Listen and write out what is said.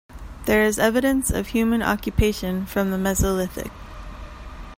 There is evidence of human occupation from the Mesolithic.